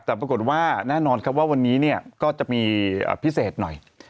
แต่ปรากฏว่าแน่นอนครับว่าวันนี้ก็จะมีพิเศษหน่อย